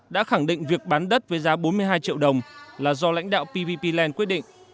đã khẳng định việc bán đất với giá bốn mươi hai triệu đồng là do lãnh đạo pvp land quyết định